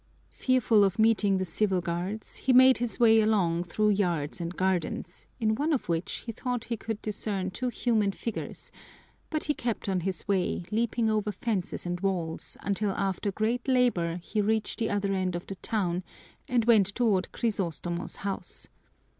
Fearful of meeting the civil guards, he made his way along through yards and gardens, in one of which he thought he could discern two human figures, but he kept on his way, leaping over fences and walls, until after great labor he reached the other end of the town and went toward Crisostomo's house.